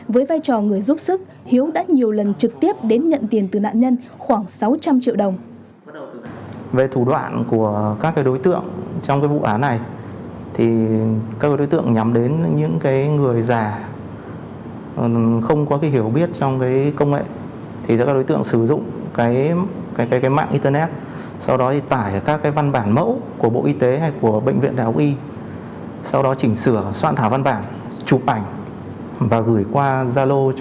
với vai trò người giúp sức hiếu đã nhiều lần trực tiếp đến nhận tiền từ nạn nhân khoảng sáu trăm linh triệu đồng